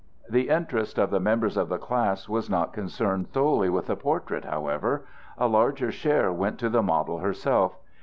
The interest of the members of the class was not concerned solely with the portrait, however: a larger share went to the model herself.